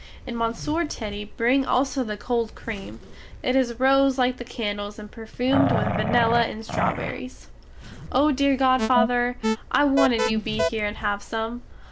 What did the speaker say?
And Monsieur Teddy bring also the cold cream; it is rose like the candles and perfumed with vanilla and strawberries. Oh dear godfather, I wanted you be here and have some!